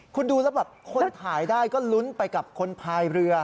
คุณดูแล้วแบบคนถ่ายได้ก็ลุ้นไปกับคนพายเรือ